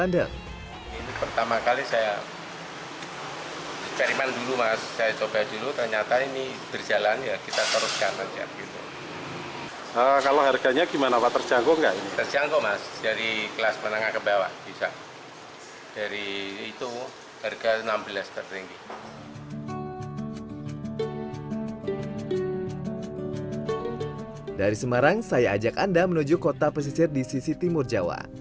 di semarang saya ajak anda menuju kota pesisir di sisi timur jawa